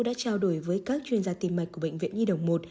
đã trao đổi với các chuyên gia tim mạch của bệnh viện nhi đồng một